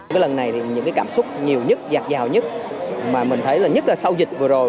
cái lần này thì những cái cảm xúc nhiều nhất giạt rào nhất mà mình thấy là nhất là sau dịch vừa rồi